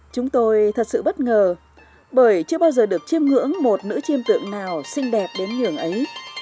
chúng tôi thật sự bất ngờ bởi chưa bao giờ được chiêm ngưỡng một nữ chiêm tượng nào xinh đẹp đến nhường ấy